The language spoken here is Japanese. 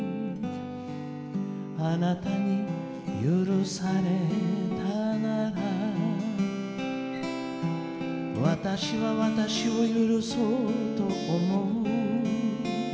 「あなたに許されたなら私は私を許そうと思う」